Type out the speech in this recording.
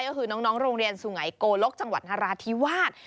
ก็คือน้องโรงเรียนสุไงโกลกจังหวัดนราธิวาส